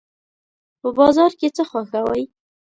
په بازار کې څه خوښوئ؟